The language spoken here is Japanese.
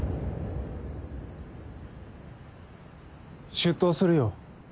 出頭するよ